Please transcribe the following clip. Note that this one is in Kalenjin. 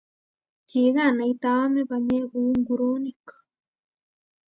Kigaanaite aame panyek kou nguronik.